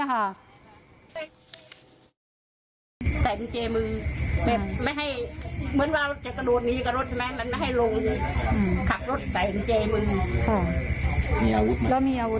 ใส่มันเจมือไม่ให้